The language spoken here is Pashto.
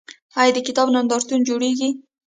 آیا د کتاب نندارتونونه جوړیږي؟